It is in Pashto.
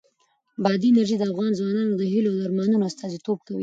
بادي انرژي د افغان ځوانانو د هیلو او ارمانونو استازیتوب کوي.